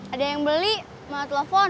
ada yang beli mau teleponan